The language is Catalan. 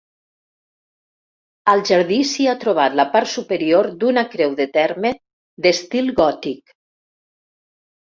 Al jardí s'hi ha trobat la part superior d'una creu de terme d'estil gòtic.